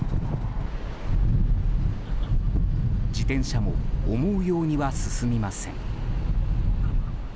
自転車も思うようには進みません。